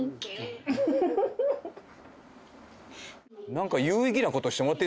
何か。